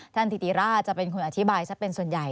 ถิติราชจะเป็นคนอธิบายซะเป็นส่วนใหญ่